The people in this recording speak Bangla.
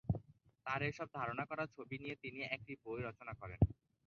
তার এসব ধারণ করা ছবি নিয়ে তিনি একটি বই রচনা করেন।